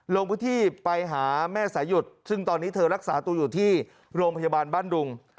ลงพื้นที่ไปหาแม่สายุทธ์ซึ่งตอนนี้เธอรักษาตัวอยู่ที่โรงพยาบาลบ้านดุง